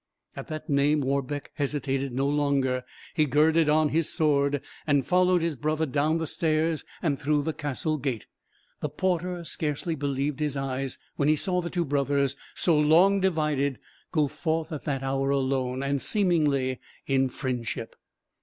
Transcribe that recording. At that name Warbeck hesitated no longer; he girded on his sword, and followed his brother down the stairs and through the castle gate. The porter scarcely believed his eyes when he saw the two brothers, so long divided, go forth at that hour alone, and seemingly in friendship.